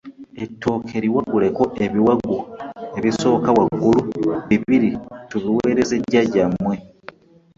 Ettooke liwaguleko ebiwagu ebisooka waggulu bibiri tubiweereze jajja mmwe.